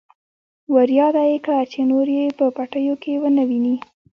ورياده يې کړه چې نور يې په پټيو کې ونه ويني.